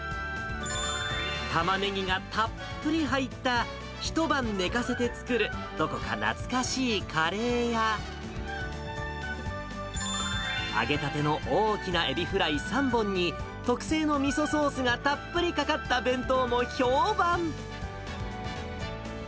たまねぎがたっぷり入った、一晩寝かせて作る、どこか懐かしいカレーや、揚げたての大きなエビフライ３本に、特製のみそソースがたっぷりかかった弁当も評判。